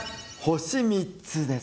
星３つです。